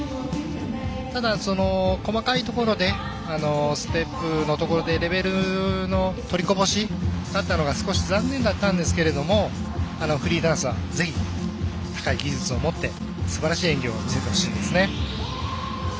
ただ、細かいところでステップのところでレベルの取りこぼしがあったのが少し残念だったんですけどフリーダンスはぜひ高い技術を持ってすばらしい演技を見せてほしいですね。